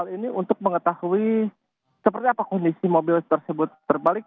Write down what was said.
hal ini untuk mengetahui seperti apa kondisi mobil tersebut terbalik